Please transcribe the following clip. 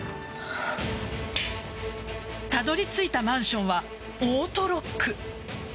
たどり着いたマンションはオートロック。